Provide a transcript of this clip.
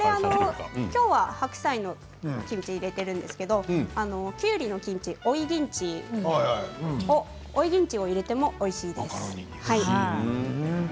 今日は白菜のキムチを入れているんですけれどきゅうりのキムチ、オイキムチ入れてもおいしいです。